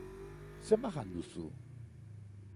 Zenbat jan duzu?